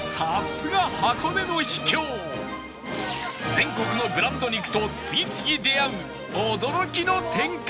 全国のブランド肉と次々出会う驚きの展開に